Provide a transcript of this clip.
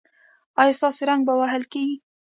ایا ستاسو زنګ به وهل کیږي؟